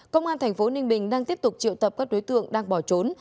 công an tp ninh bình đang tiếp tục triệu tập các đối tượng đang bỏ trốn